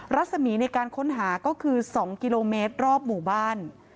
รัศมีในการค้นหาก็คือ๒กิโลเมตรรอบหมู่บ้าน